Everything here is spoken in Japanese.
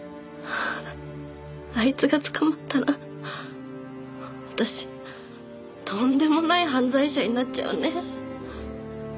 あいつが捕まったら私とんでもない犯罪者になっちゃうね。